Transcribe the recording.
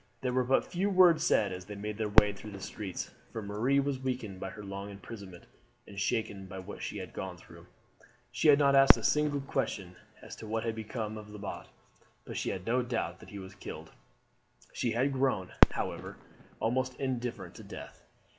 There were but few words said as they made their way through the streets, for Marie was weakened by her long imprisonment, and shaken by what she had gone through. She had not asked a single question as to what had become of Lebat; but she had no doubt that he was killed. She had grown, however, almost indifferent to death.